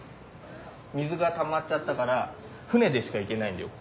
水がたまっちゃったから船でしか行けないんだよ